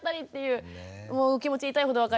もうお気持ち痛いほど分かりますが。